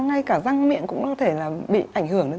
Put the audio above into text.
ngay cả răng miệng cũng có thể bị ảnh hưởng đến